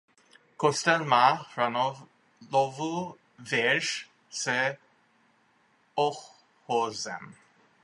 Kostel má hranolovou věž s ochozem.